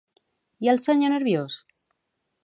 I al senyor nerviós?